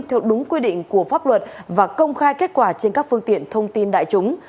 theo đúng quy định của pháp luật và công khai kết quả trên các phương tiện thông tin đại chúng